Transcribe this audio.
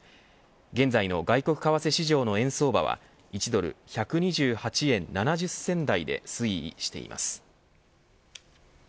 現在の外国為替市場の円相場は１ドル１２８円７０銭台で推移しています。